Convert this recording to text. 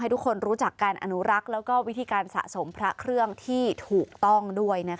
ทุกคนรู้จักการอนุรักษ์แล้วก็วิธีการสะสมพระเครื่องที่ถูกต้องด้วย